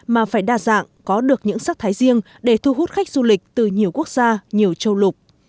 mà phải đa dạng có được những sắc thái riêng để thu hút khách du lịch từ nhiều quốc gia nhiều châu lục